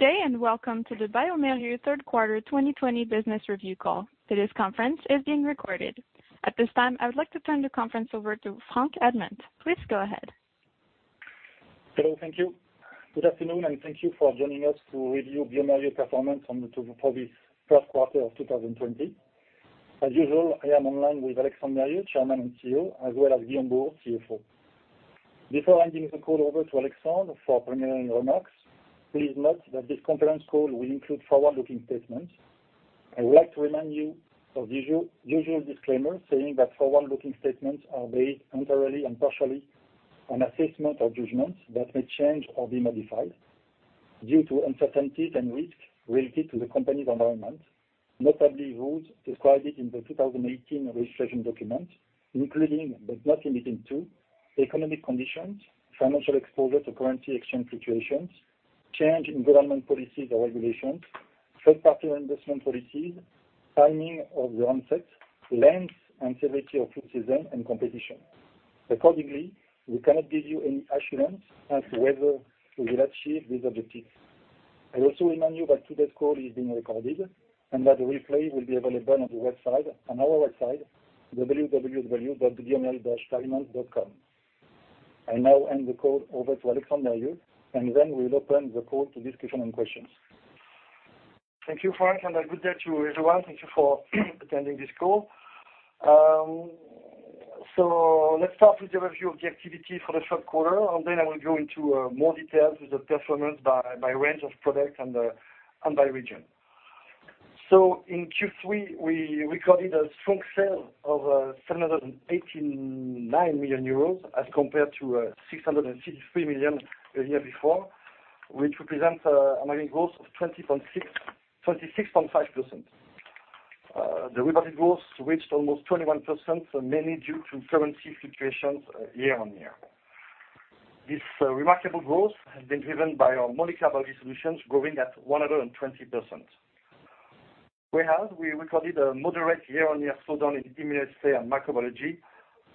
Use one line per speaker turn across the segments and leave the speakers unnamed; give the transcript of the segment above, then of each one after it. Good day, welcome to the bioMérieux third quarter 2020 business review call. Today's conference is being recorded. At this time, I would like to turn the conference over to Franck Admant. Please go ahead,
Hello. Thank you. Good afternoon, and thank you for joining us to review bioMérieux performance for this first quarter of 2020. As usual, I am online with Alexandre Mérieux, Chairman and CEO, as well as Guillaume Bouhours, CFO. Before handing the call over to Alexandre for preliminary remarks, please note that this conference call will include forward-looking statements. I would like to remind you of usual disclaimers saying that forward-looking statements are based entirely and partially on assessment or judgments that may change or be modified due to uncertainties and risks related to the company's environment, notably those described in the 2018 registration document, including but not limited to economic conditions, financial exposure to currency exchange fluctuations, change in government policies or regulations, third-party investment policies, timing of the onset, length, and severity of flu season and competition. Accordingly, we cannot give you any assurance as to whether we will achieve these objectives. I also remind you that today's call is being recorded and that the replay will be available on our website, www.biomerieux-finance.com. I now hand the call over to Alexandre Mérieux, and then we'll open the call to discussion and questions.
Thank you, Franck. A good day to you, everyone. Thank you for attending this call. Let's start with the review of the activity for the third quarter. I will go into more details with the performance by range of products and by region. In Q3, we recorded a strong sales of 789 million euros as compared to 663 million the year before, which represents an annual growth of 26.5%. The reported growth reached almost 21%, mainly due to currency fluctuations year-on-year. This remarkable growth has been driven by our molecular biology solutions growing at 120%. We recorded a moderate year-on-year slowdown in immunology and microbiology,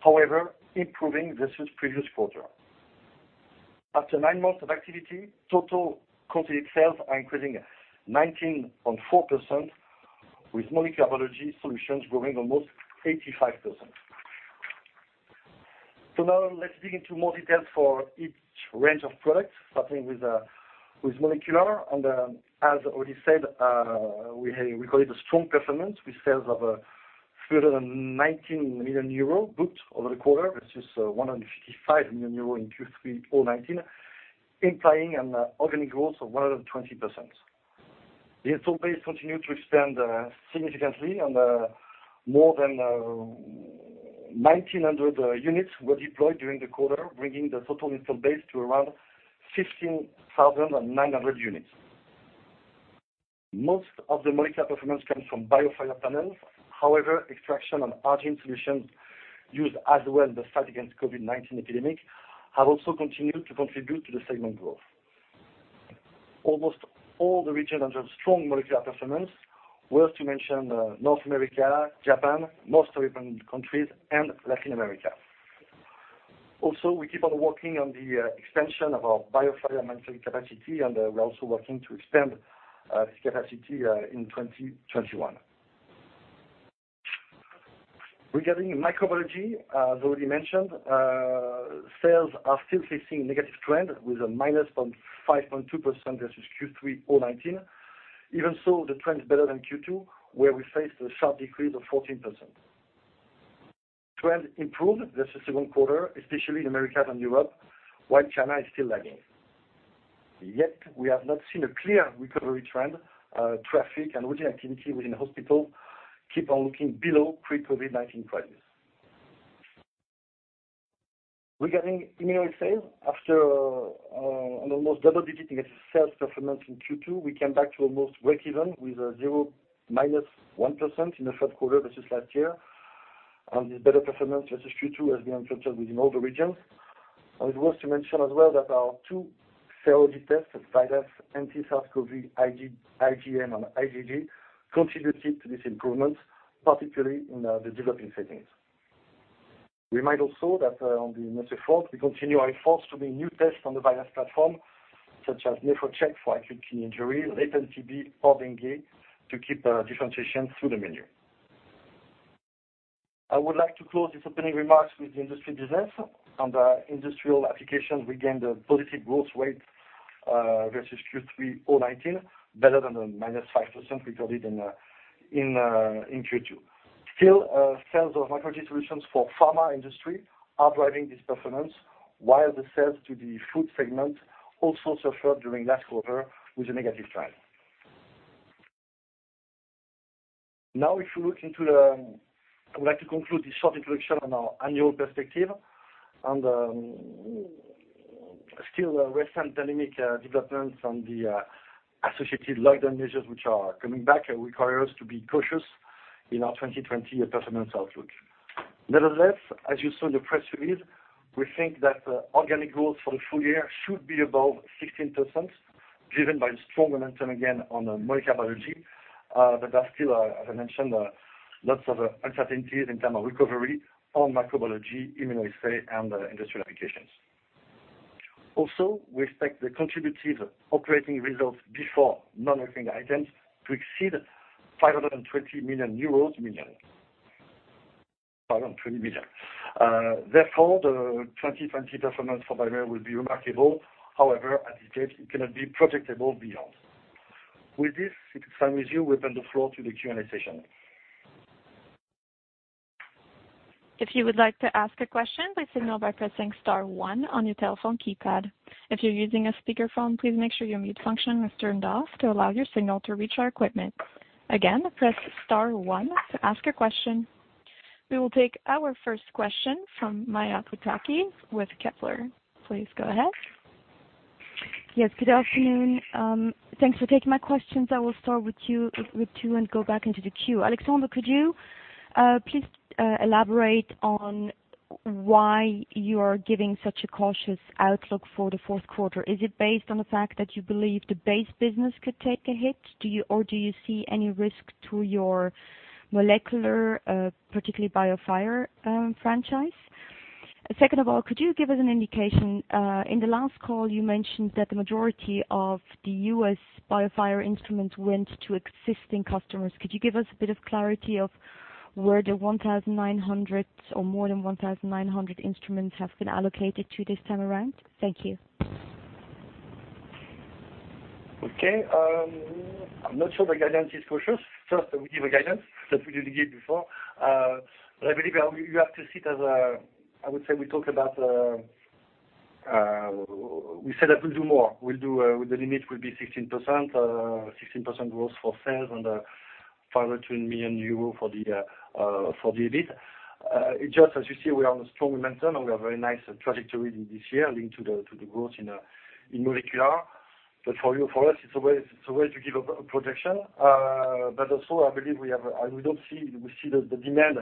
however, improving versus previous quarter. After nine months of activity, total consolidated sales are increasing 19.4%, with molecular biology solutions growing almost 85%. Now let's dig into more details for each range of products, starting with molecular. As already said, we recorded a strong performance with sales of 319 million euro booked over the quarter. This is 155 million euro in Q3 2019, implying an organic growth of 120%. The installed base continued to expand significantly and more than 1,900 units were deployed during the quarter, bringing the total installed base to around 15,900 units. Most of the molecular performance comes from BIOFIRE panels. However, extraction and reagent solutions used as well in the fight against COVID-19 epidemic have also continued to contribute to the segment growth. Almost all the regions have strong molecular performance, worth to mention North America, Japan, most European countries, and Latin America. We keep on working on the expansion of our BIOFIRE manufacturing capacity, and we're also working to expand this capacity in 2021. Regarding microbiology, as already mentioned, sales are still facing negative trend with a -5.2% versus Q3 2019. Even so, the trend is better than Q2, where we faced a sharp decrease of 14%. Trend improved versus second quarter, especially in Americas and Europe, while China is still lagging. Yet, we have not seen a clear recovery trend. Traffic and routine activity within hospital keep on looking below pre-COVID-19 levels. Regarding immunology sales, after an almost double-digit negative sales performance in Q2, we came back to almost breakeven with a zero, -1% in the third quarter versus last year. This better performance versus Q2 has been observed within all the regions. It is worth to mention as well that our two COVID tests, VIDAS anti-SARS-CoV-2 IgM and IgG, contributed to this improvement, particularly in the developing settings. We might also that on the [immune effort, we continue our efforts to bring new tests on the VIDAS platform, such as NephroCheck for acute kidney injury, latent TB, or dengue to keep differentiation through the menu. I would like to close these opening remarks with the industry business. Under industrial applications, we gained a positive growth rate versus Q3 2019, better than the -5% recorded in Q2. Sales of microbiology solutions for pharma industry are driving this performance, while the sales to the food segment also suffered during last quarter with a negative trend. I would like to conclude this short introduction on our annual perspective and still recent dynamic developments and the associated lockdown measures which are coming back require us to be cautious in our 2020 performance outlook. Nevertheless, as you saw in the press release, we think that organic growth for the full year should be above 16%, driven by strong momentum again on molecular biology. There are still, as I mentioned, lots of uncertainties in terms of recovery on microbiology, immunoassay, and industrial applications. Also, we expect the contributed operating results before non-recurring items to exceed EUR 520 million. Therefore, the 2020 performance for bioMérieux will be remarkable. However, at this stage, it cannot be projectable beyond. With this, it is time we open the floor to the Q&A session.
We will take our first question from Maja Pataki with Kepler. Please go ahead.
Good afternoon. Thanks for taking my questions. I will start with two and go back into the queue. Alexandre, could you please elaborate on why you are giving such a cautious outlook for the fourth quarter? Is it based on the fact that you believe the base business could take a hit? Do you see any risk to your molecular, particularly bioMérieux franchise? Second of all, could you give us an indication, in the last call you mentioned that the majority of the U.S. bioMérieux instruments went to existing customers. Could you give us a bit of clarity of where the more than 1,900 instruments have been allocated to this time around? Thank you.
I'm not sure the guidance is cautious. We give a guidance that we didn't give before. I believe you have to see it as, I would say we said that we'll do more. The limit will be 16% growth for sales and 520 million euro for the EBIT. It's just as you see, we are on a strong momentum and we have very nice trajectory this year linked to the growth in molecular. For us, it's a way to give a projection. Also, I believe we see the demand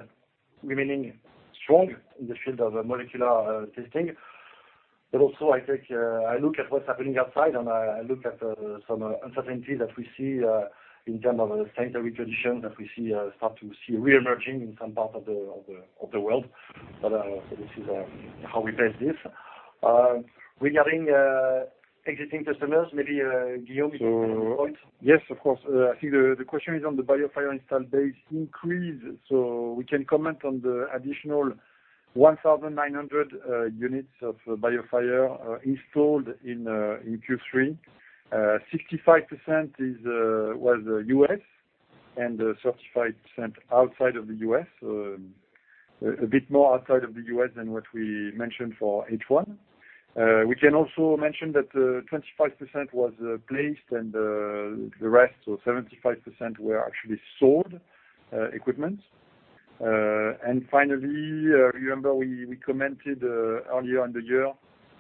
remaining strong in the field of molecular testing. Also, I look at what's happening outside and I look at some uncertainty that we see in terms of sanitary conditions that we start to see reemerging in some parts of the world. This is how we base this. Regarding existing customers, maybe Guillaume can comment.
Yes, of course. I think the question is on the bioMérieux install base increase. We can comment on the additional 1,900 units of bioMérieux installed in Q3. 65% was U.S. and 35% outside of the U.S. A bit more outside of the U.S. than what we mentioned for H1. We can also mention that 25% was placed and the rest, 75% were actually sold equipment. Finally, remember we commented earlier in the year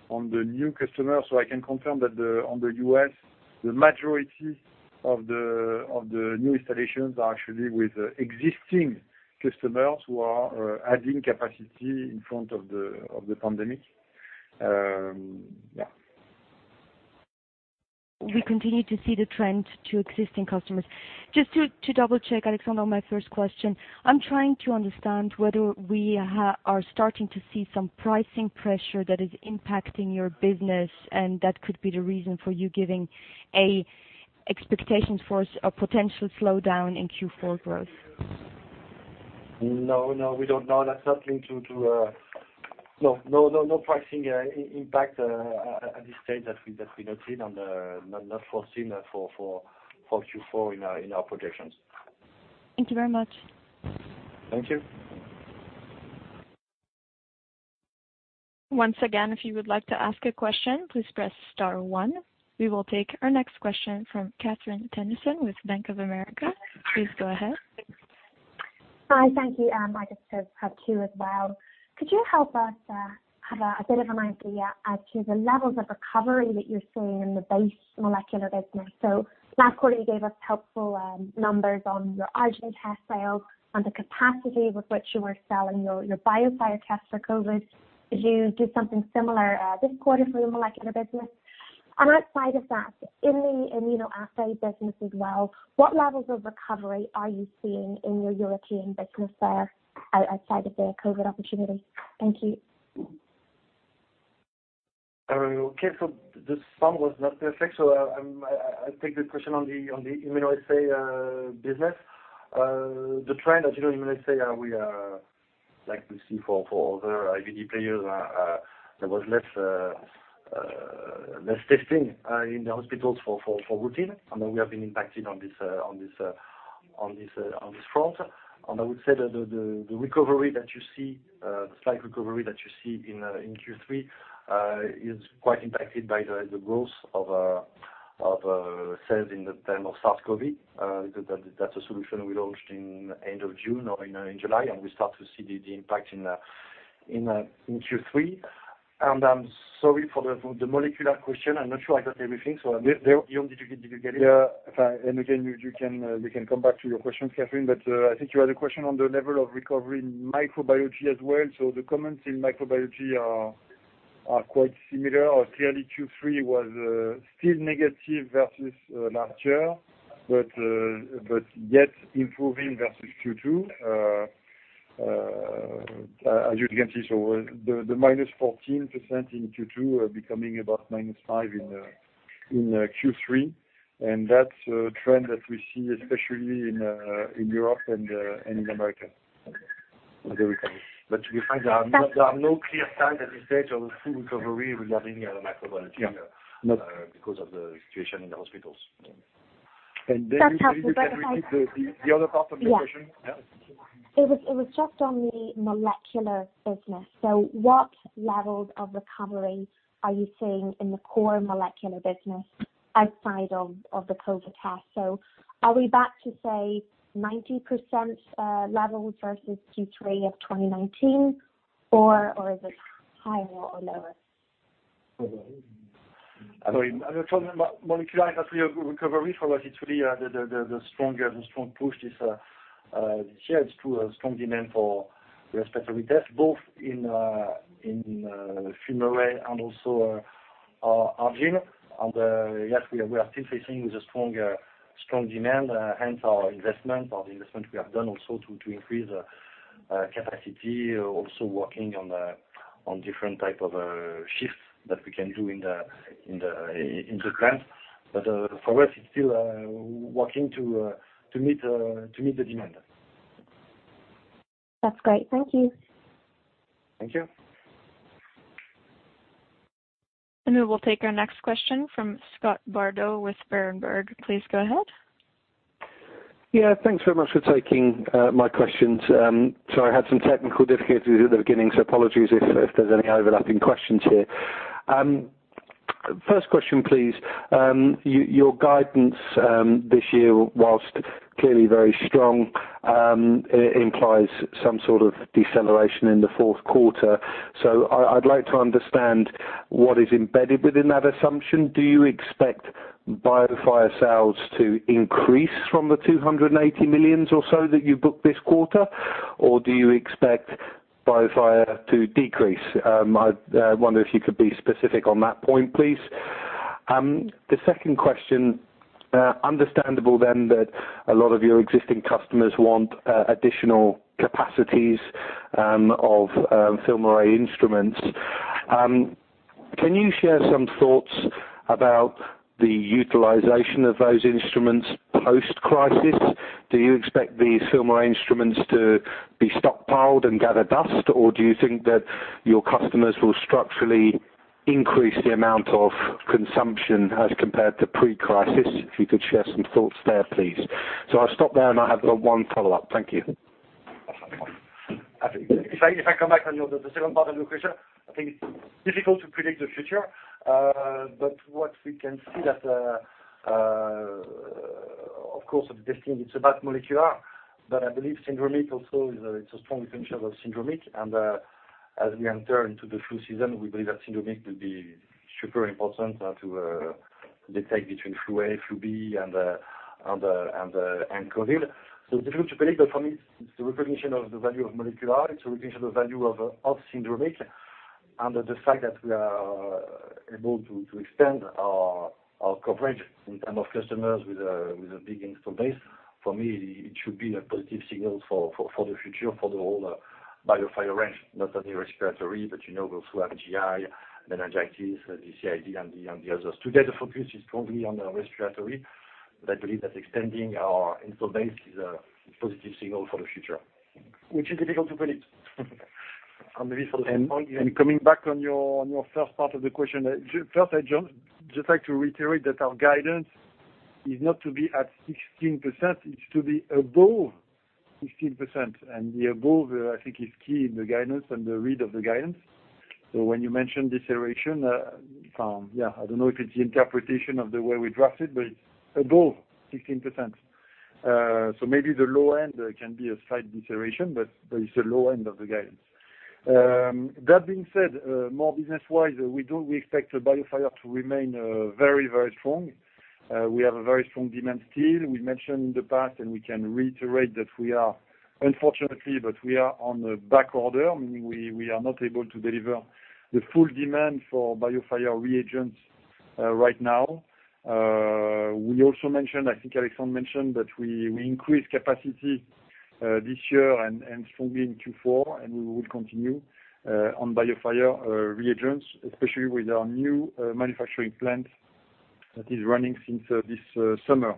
on the new customers, I can confirm that on the U.S., the majority of the new installations are actually with existing customers who are adding capacity in front of the pandemic.
We continue to see the trend to existing customers. Just to double-check, Alexandre, my first question. I'm trying to understand whether we are starting to see some pricing pressure that is impacting your business and that could be the reason for you giving expectations for a potential slowdown in Q4 growth.
No, we don't. No, that's not linked to pricing impact at this stage that we noted and not foreseen for Q4 in our projections.
Thank you very much.
Thank you.
Once again if you would like to ask a question, please press star one. We will take our next question from Catherine Tennyson with Bank of America. Please go ahead.
Hi. Thank you. I just have two as well. Could you help us have a bit of an idea as to the levels of recovery that you're seeing in the base molecular business? Last quarter, you gave us helpful numbers on your ARGENE test sales and the capacity with which you were selling your bioMérieux test for COVID. Could you do something similar this quarter for the molecular business? Outside of that, in the immunoassay business as well, what levels of recovery are you seeing in your European business there outside of the COVID opportunity? Thank you.
Okay. The sound was not perfect. I'll take the question on the immunoassay business. The trend that you know immunoassay, we are likely to see for other IVD players, there was less testing in the hospitals for routine. We have been impacted on this front. I would say the slight recovery that you see in Q3 is quite impacted by the growth of sales in the term of SARS-CoV-2. That's a solution we launched in end of June or in July, and we start to see the impact in Q3. I'm sorry for the molecular question. I'm not sure I got everything. Guillaume, did you get it?
Yeah. Again, we can come back to your question, Catherine, I think you had a question on the level of recovery in microbiology as well. The comments in microbiology are quite similar. Clearly Q3 was still negative versus last year, but yet improving versus Q2. As you can see, the -4% in Q2 becoming about -5% in Q3. That's a trend that we see especially in Europe and in America.
We find there are no clear signs at this stage of a full recovery regarding the microbiology because of the situation in the hospitals.
And then-
That's helpful.
Can you repeat the other part of the question?
Yeah.
Yeah.
It was just on the molecular business. What levels of recovery are you seeing in the core molecular business outside of the COVID test? Are we back to, say, 90% levels versus Q3 of 2019, or is it higher or lower?
I mean, the problem about molecular recovery for us, it's really the strong push this year. it's true, strong demand for respiratory tests, both in FILMARRAY and also ARGENE. Yes, we are still facing with a strong demand, hence our investment or the investment we have done also to increase capacity, also working on different type of shifts that we can do in the plant. For us, it's still working to meet the demand.
That's great. Thank you.
Thank you.
We will take our next question from Scott Bardo with Berenberg. Please go ahead.
Yeah. Thanks very much for taking my questions. Sorry, I had some technical difficulties at the beginning, apologies if there's any overlapping questions here. First question, please. Your guidance this year, whilst clearly very strong, implies some sort of deceleration in the fourth quarter. I'd like to understand what is embedded within that assumption. Do you expect BIOFIRE sales to increase from the 280 million or so that you booked this quarter? Do you expect BIOFIRE to decrease? I wonder if you could be specific on that point, please. The second question. Understandable that a lot of your existing customers want additional capacities of FILMARRAY instruments. Can you share some thoughts about the utilization of those instruments post-crisis? Do you expect the FILMARRAY instruments to be stockpiled and gather dust, or do you think that your customers will structurally increase the amount of consumption as compared to pre-crisis? If you could share some thoughts there, please. I'll stop there, and I have one follow-up. Thank you.
If I come back on the second part of your question, I think it's difficult to predict the future. What we can see that, of course, this thing, it's about molecular, but I believe syndromic also, it's a strong potential of syndromic. As we enter into the flu season, we believe that syndromic will be super important to detect between flu A, flu B, and COVID. Difficult to predict, but for me, it's the recognition of the value of molecular. It's a recognition of the value of syndromic and the fact that we are able to extend our coverage in term of customers with a big install base. For me, it should be a positive signal for the future for the whole BIOFIRE range, not only respiratory, but you know we also have GI, meningitis, BCID and the others. Today, the focus is strongly on respiratory, I believe that extending our install base is a positive signal for the future.
Which is difficult to predict. Coming back on your first part of the question. First, I just like to reiterate that our guidance is not to be at 16%, it's to be above 16%. The above, I think is key in the guidance and the read of the guidance. When you mention deceleration, yeah, I don't know if it's the interpretation of the way we draft it, but it's above 16%. Maybe the low end can be a slight deceleration, but it's the low end of the guidance. That being said, more business-wise, we expect BIOFIRE to remain very strong. We have a very strong demand still. We mentioned in the past, and we can reiterate that we are, unfortunately, but we are on the back order, meaning we are not able to deliver the full demand for BIOFIRE reagents right now. We also mentioned, I think Alexandre mentioned that we increase capacity this year and strongly in Q4. We will continue on BIOFIRE reagents, especially with our new manufacturing plant that is running since this summer.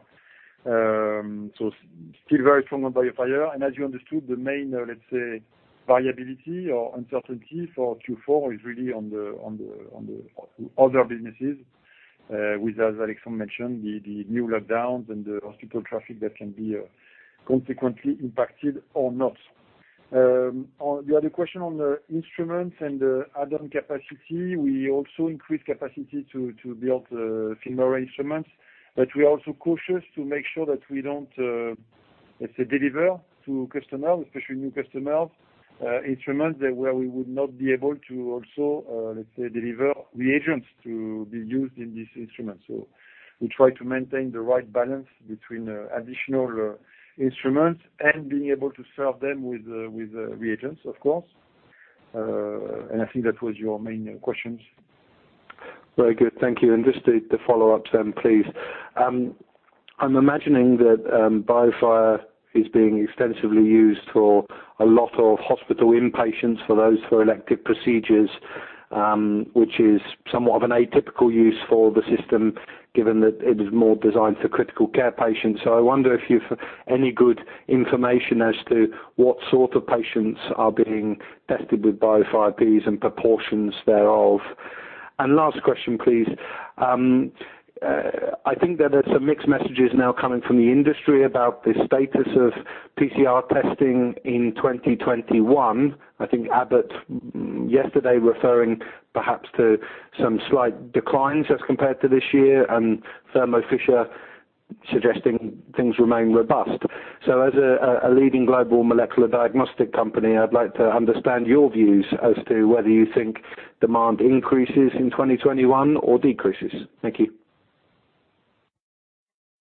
Still very strong on BIOFIRE. As you understood, the main, let's say, variability or uncertainty for Q4 is really on the other businesses with, as Alexandre mentioned, the new lockdowns and the hospital traffic that can be consequently impacted or not. On the other question on the instruments and the add-on capacity, we also increase capacity to build FILMARRAY instruments. We are also cautious to make sure that we don't, let's say, deliver to customers, especially new customers, instruments that where we would not be able to also, let's say, deliver reagents to be used in these instruments. We try to maintain the right balance between additional instruments and being able to serve them with reagents, of course. I think that was your main questions.
Very good. Thank you. Just a follow-up then, please. I'm imagining that BIOFIRE is being extensively used for a lot of hospital inpatients, for those for elective procedures, which is somewhat of an atypical use for the system given that it is more designed for critical care patients. I wonder if you've any good information as to what sort of patients are being tested with BIOFIRE pieces and proportions thereof. Last question, please. I think that there's some mixed messages now coming from the industry about the status of PCR testing in 2021. I think Abbott yesterday referring perhaps to some slight declines as compared to this year, and Thermo Fisher suggesting things remain robust. As a leading global molecular diagnostic company, I'd like to understand your views as to whether you think demand increases in 2021 or decreases. Thank you.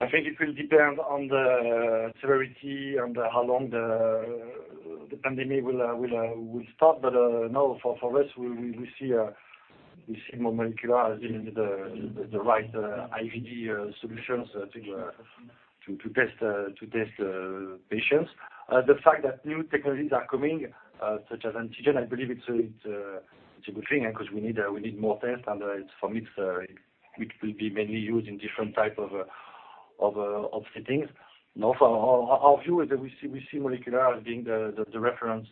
I think it will depend on the severity and how long the pandemic will stop. Now for us, we see molecular as the right IVD solutions to test patients. The fact that new technologies are coming such as antigen, I believe it's a good thing because we need more tests, and it's for multiplex, which will be mainly used in different type of settings. Now, from our view, we see molecular as being the reference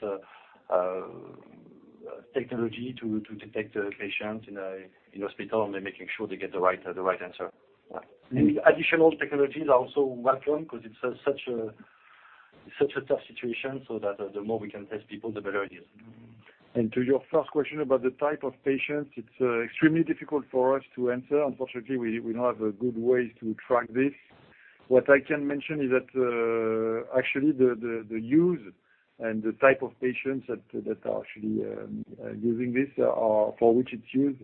technology to detect patients in hospital and making sure they get the right answer. Any additional technologies are also welcome because it's such a tough situation so that the more we can test people, the better it is.
To your first question about the type of patients, it's extremely difficult for us to answer. Unfortunately, we don't have a good way to track this. What I can mention is that actually the use and the type of patients that are actually using this or for which it's used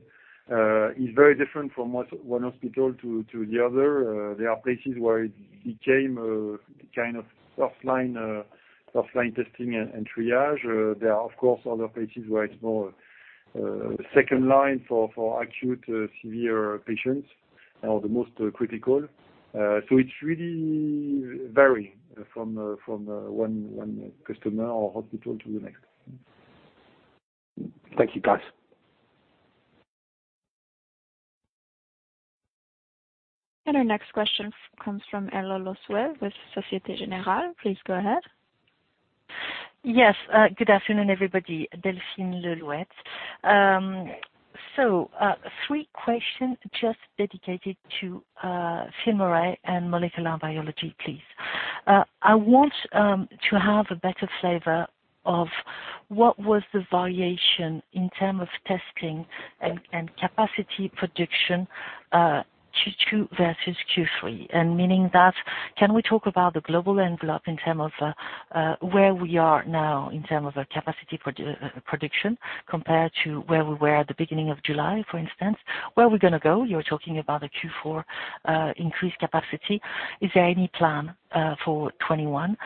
is very different from one hospital to the other. There are places where it became a kind of offline testing and triage. There are, of course, other places where it's more second line for acute severe patients or the most critical. It's really varying from one customer or hospital to the next.
Thank you, guys.
Our next question comes from Ella Le Louët with Société Générale. Please go ahead.
Yes. Good afternoon, everybody. Delphine Le Louët. Three questions just dedicated to FILMARRAY and molecular biology, please. I want to have a better flavor of what was the variation in terms of testing and capacity prediction Q2 versus Q3. Meaning that, can we talk about the global envelope in terms of where we are now in terms of a capacity prediction compared to where we were at the beginning of July, for instance. Where are we going to go? You're talking about the Q4 increased capacity. Is there any plan for 2021?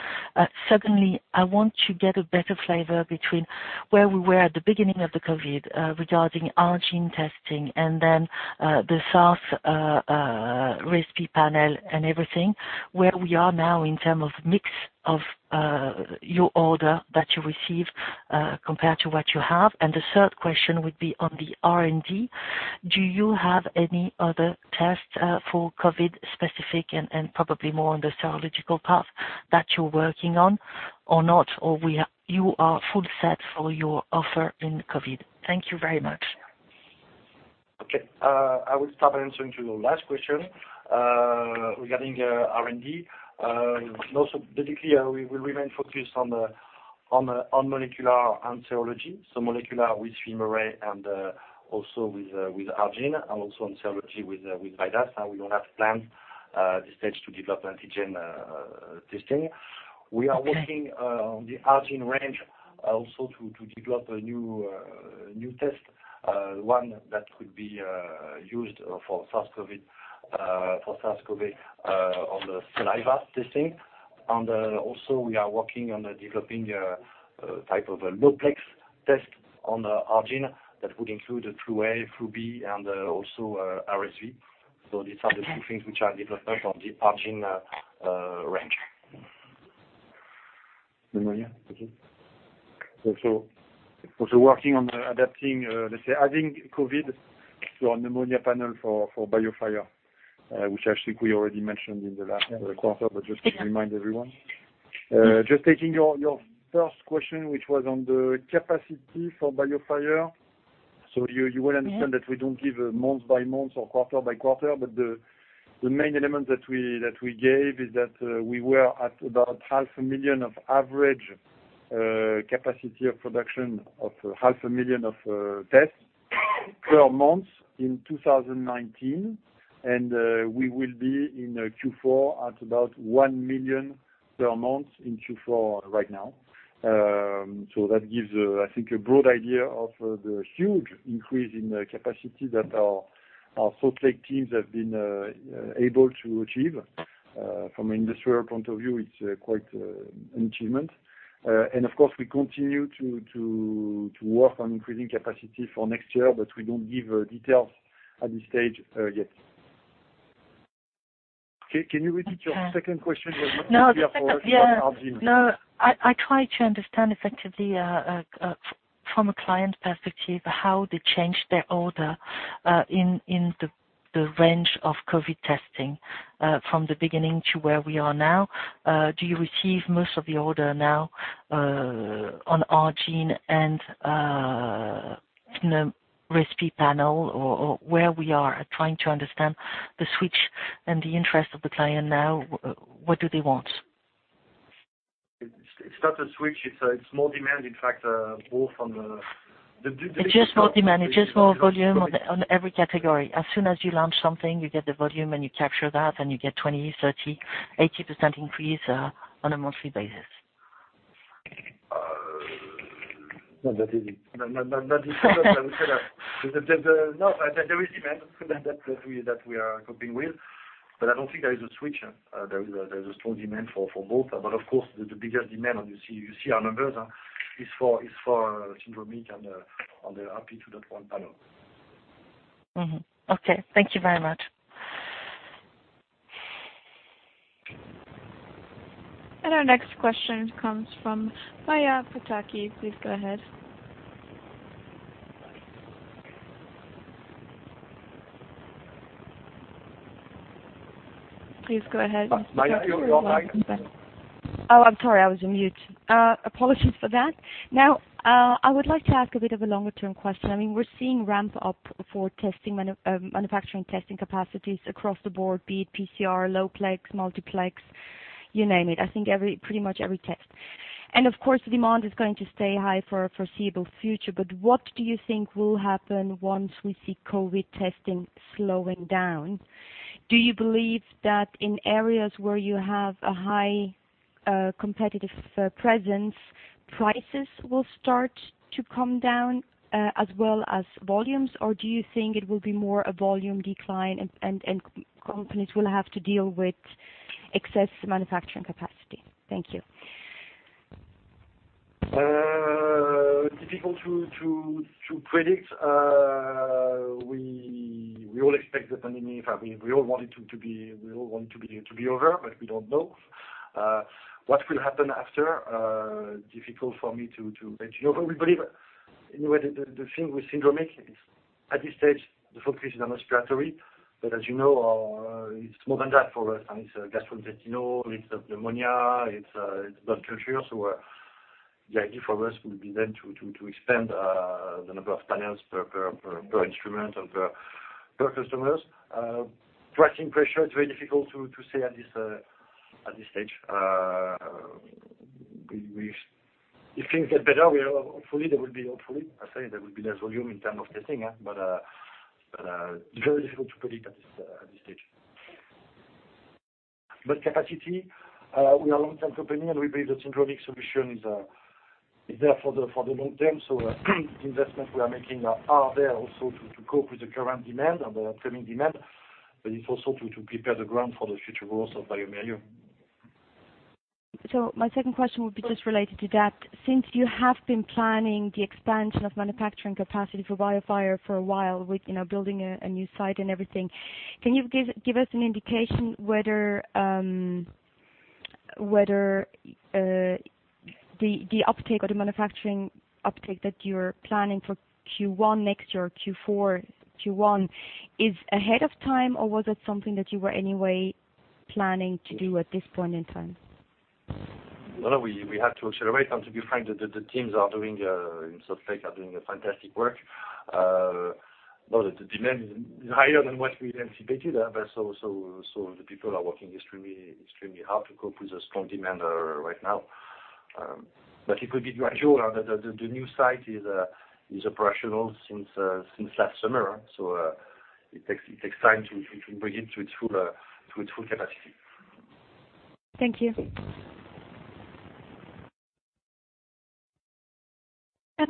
Secondly, I want to get a better flavor between where we were at the beginning of the COVID regarding ARGENE testing and then the RESPI panel and everything, where we are now in terms of mix of your order that you receive compared to what you have. The third question would be on the R&D. Do you have any other tests for COVID specific and probably more on the serological path that you are working on or not, or you are full set for your offer in COVID? Thank you very much.
Okay. I will start answering to your last question regarding R&D. Also, we will remain focused on molecular and serology. Molecular with FILMARRAY and also with ARGENE and also in serology with VIDAS, and we don't have plans at this stage to develop antigen testing. We are working on the ARGENE range also to develop a new test, one that could be used for SARS-CoV-2 on the saliva testing. Also we are working on developing a type of a multiplex test on the ARGENE that would include the flu A, flu B, and also RSV. These are the two things which are development on the ARGENE range.
Pneumonia. Okay. Also working on adapting, let's say, adding COVID to our Pneumonia Panel for BIOFIRE, which I think we already mentioned in the last quarter, but just to remind everyone. Just taking your first question, which was on the capacity for BIOFIRE. You will understand that we don't give month by month or quarter by quarter, but the main element that we gave is that we were at about half a million of average capacity of production of half a million of tests per month in 2019, and we will be in Q4 at about 1 million per month in Q4 right now. That gives, I think, a broad idea of the huge increase in capacity that our Salt Lake teams have been able to achieve. From an industrial point of view, it's quite an achievement. Of course, we continue to work on increasing capacity for next year, but we don't give details at this stage yet.
Can you repeat your second question?
No. I try to understand effectively, from a client perspective, how they change their order in the range of COVID testing from the beginning to where we are now. Do you receive most of the order now on R-GENE and the RESPI panel, or where we are at trying to understand the switch and the interest of the client now, what do they want?
It's not a switch. It's more demand, in fact.
It's just more demand. It's just more volume on every category. As soon as you launch something, you get the volume and you capture that, and you get 20%, 30%, 80% increase on a monthly basis.
No, that is it. There is demand that we are coping with, but I don't think there is a switch. There's a strong demand for both. Of course, the biggest demand, and you see our numbers, is for syndromic on the RP2.1 panel.
Mm-hmm. Okay. Thank you very much.
Our next question comes from Maja Pataki. Please go ahead.
Maja, you're not on mic.
Oh, I am sorry. I was on mute. Apologies for that. I would like to ask a bit of a longer-term question. We are seeing ramp up for manufacturing testing capacities across the board, be it PCR, low plex, multiplex, you name it. I think pretty much every test. Of course, the demand is going to stay high for foreseeable future. What do you think will happen once we see COVID testing slowing down? Do you believe that in areas where you have a high competitive presence, prices will start to come down as well as volumes? Do you think it will be more a volume decline and companies will have to deal with excess manufacturing capacity? Thank you.
Difficult to predict. We all expect I mean, we all want it to be over, we don't know. What will happen after, difficult for me to hedge. We believe anyway, the thing with syndromic is at this stage, the focus is on respiratory, as you know, it's more than that for us. It's gastrointestinal, it's pneumonia, it's blood culture. The idea for us will be then to expand the number of panels per instrument and per customers. Pricing pressure is very difficult to say at this stage. If things get better, hopefully there will be less volume in terms of testing. It's very difficult to predict at this stage. Capacity, we are a long-term company, and we believe the syndromic solution is there for the long term. The investments we are making are there also to cope with the current demand and the upcoming demand. It's also to prepare the ground for the future growth of bioMérieux.
My second question would be just related to that. Since you have been planning the expansion of manufacturing capacity for BIOFIRE for a while with building a new site and everything, can you give us an indication whether the uptake or the manufacturing uptake that you're planning for Q1 next year or Q4, Q1, is ahead of time, or was it something that you were anyway planning to do at this point in time?
No, we had to accelerate. To be frank, the teams in Salt Lake are doing a fantastic work. The demand is higher than what we anticipated. The people are working extremely hard to cope with the strong demand right now. It will be gradual. The new site is operational since last summer. It takes time to bring it to its full capacity.
Thank you.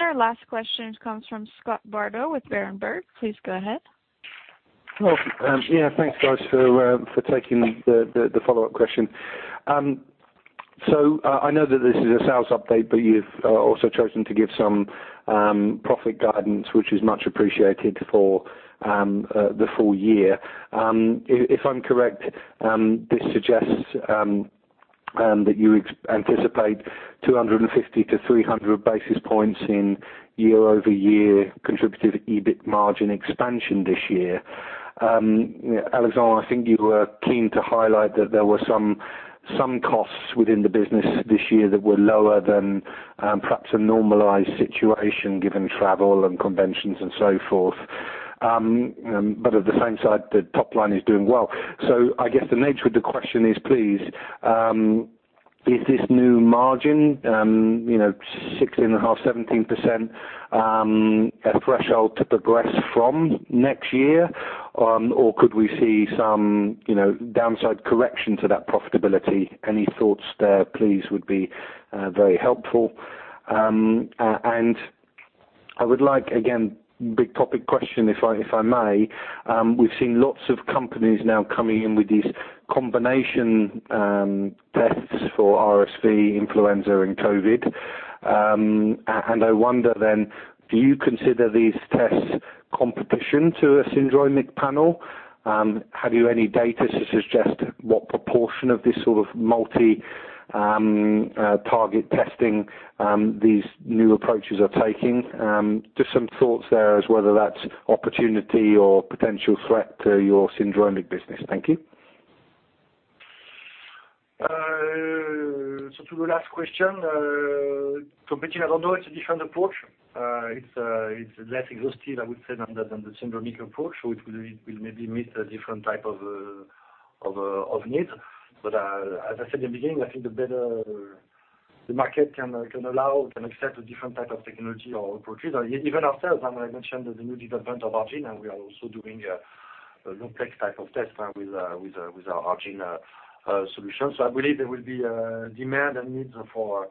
Our last question comes from Scott Bardo with Berenberg. Please go ahead.
Thanks, guys, for taking the follow-up question. I know that this is a sales update, you've also chosen to give some profit guidance, which is much appreciated for the full year. If I'm correct, this suggests that you anticipate 250 to 300 basis points in year-over-year contributed EBIT margin expansion this year. Alexandre, I think you were keen to highlight that there were some costs within the business this year that were lower than perhaps a normalized situation given travel and conventions and so forth. At the same side, the top line is doing well. I guess the nature of the question is, please, is this new margin 16.5%, 17% a threshold to progress from next year? Could we see some downside correction to that profitability? Any thoughts there, please, would be very helpful. I would like, again, big topic question, if I may. We've seen lots of companies now coming in with these combination tests for RSV, influenza, and COVID. I wonder then, do you consider these tests competition to a syndromic panel? Have you any data to suggest what proportion of this sort of multi-target testing these new approaches are taking? Just some thoughts there as whether that's opportunity or potential threat to your syndromic business. Thank you.
To the last question, competing, I don't know. It's a different approach. It's less exhaustive, I would say, than the syndromic approach. It will maybe meet a different type of need. As I said in the beginning, I think the better the market can allow, can accept a different type of technology or approaches. Even ourselves, I mentioned the new development of ARGENE, and we are also doing a complex type of test with our ARGENE solution. I believe there will be a demand and need for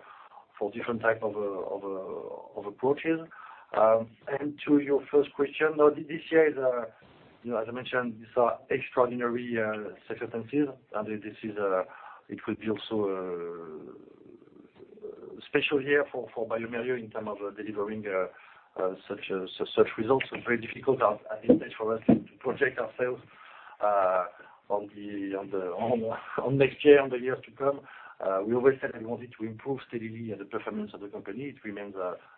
different types of approaches. To your first question, this year, as I mentioned, these are extraordinary circumstances, and it will be also a special year for bioMérieux in terms of delivering such results. Very difficult at this stage for us to project ourselves on next year, on the years to come. We always said we wanted to improve steadily the performance of the company. It remains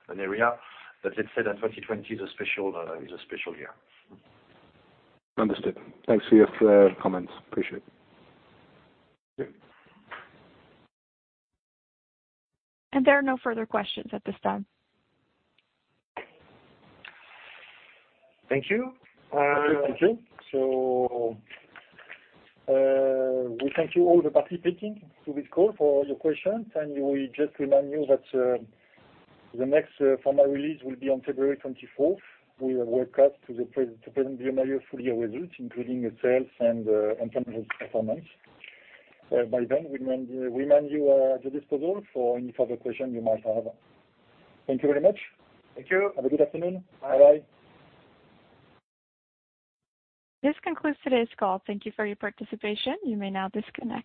an area that, let's say that 2020 is a special year.
Understood. Thanks for your comments. Appreciate it.
Yeah.
There are no further questions at this time.
Thank you.
Thank you. We thank you all the participating to this call for all your questions. We just remind you that the next formal release will be on February 24th. We will webcast to present bioMérieux full year results, including sales and internal performance. By then, we remind you are at your disposal for any further questions you might have. Thank you very much.
Thank you.
Have a good afternoon. Bye.
Bye.
This concludes today's call. Thank you for your participation. You may now disconnect.